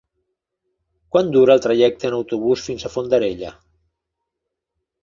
Quant dura el trajecte en autobús fins a Fondarella?